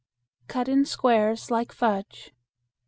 Cut in squares like fudge.